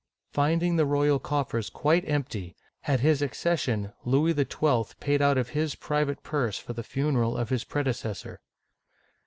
Finding the royal coffers quite empty, at his accession, Louis XI I. paid out of his private purse for the funeral of his predecessor.